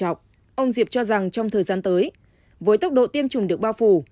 theo ông diệp ông diệp cho rằng trong thời gian tới với tốc độ tiêm chủng được bao phủ